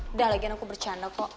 udah lagian aku bercanda kok